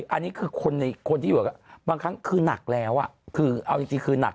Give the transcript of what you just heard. อันนี้คือคนที่อยู่กับบางครั้งคือหนักแล้วคือเอาจริงคือหนัก